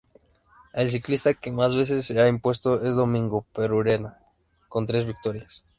El ciclista que más veces se ha impuesto es Domingo Perurena, con tres victorias.